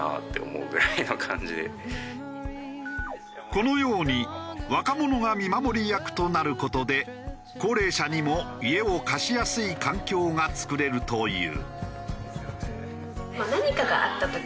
このように若者が見守り役となる事で高齢者にも家を貸しやすい環境が作れるという。